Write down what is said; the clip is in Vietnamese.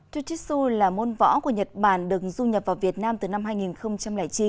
jiu jitsu là môn võ của nhật bản được du nhập vào việt nam từ năm hai nghìn chín